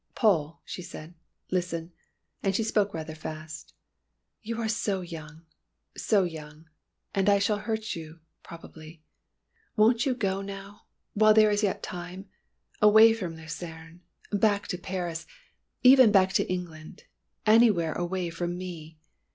"Paul," she said, "listen," and she spoke rather fast. "You are so young, so young and I shall hurt you probably. Won't you go now while there is yet time? Away from Lucerne, back to Paris even back to England. Anywhere away from me."